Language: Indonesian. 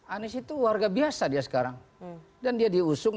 anies itu warga biasa dia sekarang